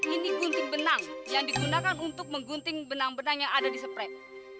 ini gunting benang yang digunakan untuk menggunting benang benang yang ada di sprek